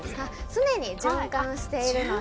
常に循環しているので。